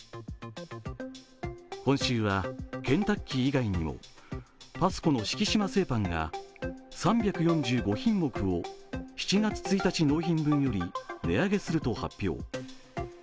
今週はケンタッキー以外にもＰａｓｃｏの敷島製パンが３４５品目を７月１日納品分より値上げすると発表。